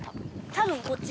多分こっち。